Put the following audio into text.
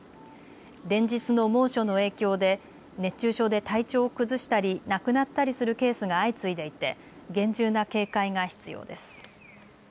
連日の猛暑の影響で熱中症で体調を崩したり亡くなったりするケースが相次いでいて厳重な警戒が必要です。